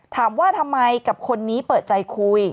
ถามว่าทำไมกับคนนี้เปิดใจคุย